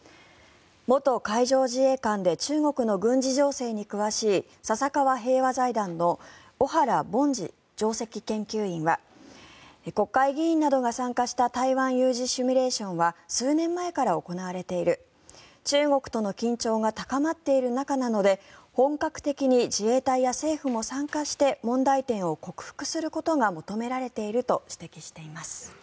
元海上自衛官で中国の軍事情勢に詳しい笹川平和財団の小原凡司上席研究員は国会議員などが参加した台湾有事シミュレーションは数年前から行われている中国との緊張が高まっている中なので本格的に自衛隊や政府も参加して問題点を克服することが求められていると指摘しています。